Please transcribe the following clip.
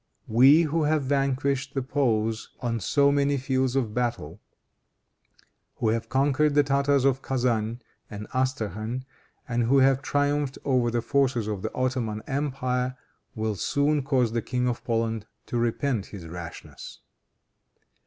We, who have vanquished the Poles on so many fields of battle, who have conquered the Tartars of Kezan and Astrachan, and who have triumphed over the forces of the Ottoman empire, will soon cause the King of Poland to repent his rashness."